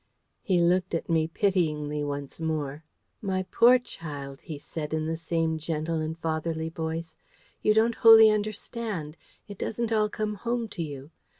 He looked at me pityingly once more. "My poor child," he said, in the same gentle and fatherly voice, "you don't wholly understand. It doesn't all come home to you.